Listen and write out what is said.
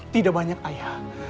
tidak banyak ayah